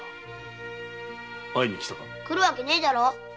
来るわけねえだろ。